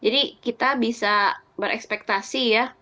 jadi kita bisa berekspertis ya